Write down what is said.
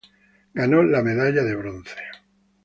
Ganó la medalla de bronce.